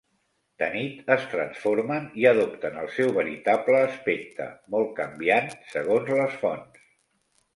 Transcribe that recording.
De nit es transformen i adopten el seu veritable aspecte, molt canviant segons les fonts.